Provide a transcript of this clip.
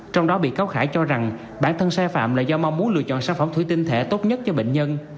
trong đó bị cáo khải cho rằng bản thân sai phạm là do mong muốn lựa chọn sản phẩm thủy tinh thể tốt nhất cho bệnh nhân